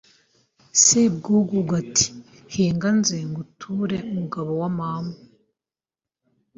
Sebwugugu ati Hinga nze nguture mugabo wa mama